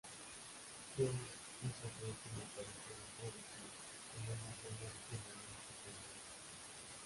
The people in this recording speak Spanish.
King hizo su última aparición pública en una cena en honor de su marido.